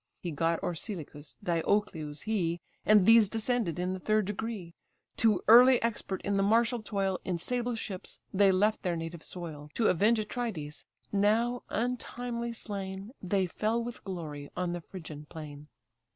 He got Orsilochus, Diocleus he, And these descended in the third degree. Too early expert in the martial toil, In sable ships they left their native soil, To avenge Atrides: now, untimely slain, They fell with glory on the Phrygian plain.